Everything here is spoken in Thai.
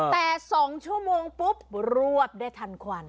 แต่๒ชั่วโมงปุ๊บรวบได้ทันควัน